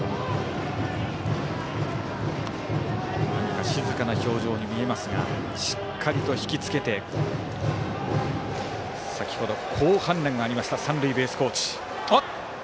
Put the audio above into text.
何か静かな表情に見えますがしっかりと引きつけて先ほど好判断があった三塁ベースコーチ。